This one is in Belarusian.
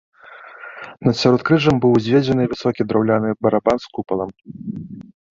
Над сяродкрыжжам быў узведзены высокі драўляны барабан з купалам.